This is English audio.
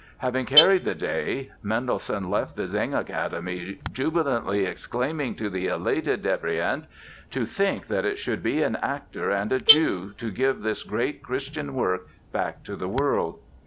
Having carried the day Mendelssohn left the Singakademie jubilantly exclaiming to the elated Devrient: "To think that it should be an actor and a Jew, to give this great Christian work back to the world!"